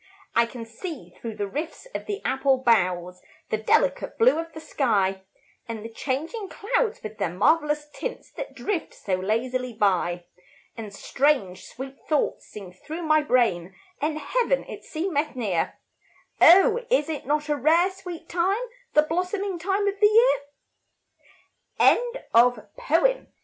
I can see, through the rifts of the apple boughs, The delicate blue of the sky, And the changing clouds with their marvellous tints That drift so lazily by. And strange, sweet thoughts sing through my brain, And Heaven, it seemeth near; Oh, is it not a rare, sweet time, The blossoming time of the year? SUMMER HOURS.